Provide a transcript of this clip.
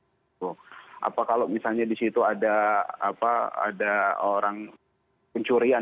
atau kalau misalnya di situ ada orang pencurian